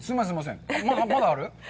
まだある？